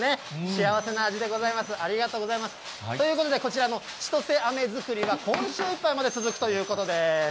幸せな味でございます、ありがとうございます。ということで、こちらのちとせあめ作りは今週いっぱいまで続くということです。